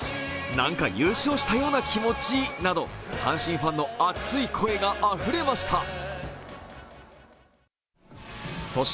なんか優勝したような気持ちなど阪神ファンの熱い声があふれました。